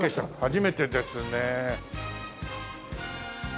初めてですね。